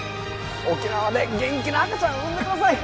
沖縄で元気な赤ちゃん産んでください